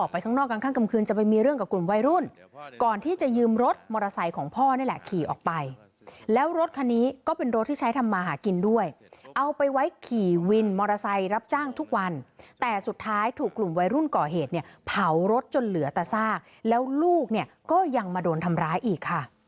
เป็นรถที่ใช้ทำมาหากินด้วยเอาไปไว้ขี่วินมอเตอร์ไซต์รับจ้างทุกวันแต่สุดท้ายถูกกลุ่มวัยรุ่นก่อเหตุเนี่ยเผารถจนเหลือตะซากแล้วลูกเนี่ยก็ยังมาโดนทำร้ายอีกค่ะ